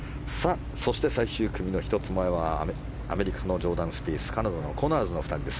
そして、最終組の１つ前はアメリカのジョーダン・スピースカナダのコナーズの２人です。